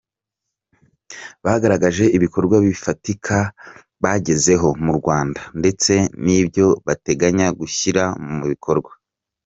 Bagaragaje ibikorwa bifatika bagezeho mu Rwanda, ndetse n’ibyo bateganya gushyira mu bikorwa.